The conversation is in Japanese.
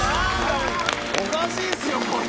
おかしいっすよこれ！